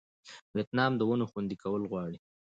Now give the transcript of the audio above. ویتنام د ونو خوندي کول غواړي.